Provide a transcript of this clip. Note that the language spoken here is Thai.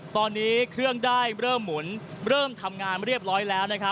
ตอนนี้เครื่องได้เริ่มหมุนเริ่มทำงานเรียบร้อยแล้ว